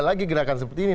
lagi gerakan seperti ini